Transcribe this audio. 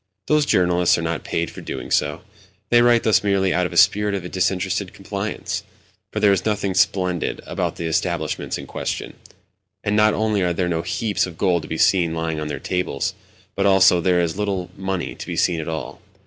Those journalists are not paid for doing so: they write thus merely out of a spirit of disinterested complaisance. For there is nothing splendid about the establishments in question; and, not only are there no heaps of gold to be seen lying on their tables, but also there is very little money to be seen at all.